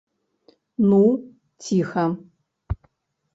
- Ну, цiха!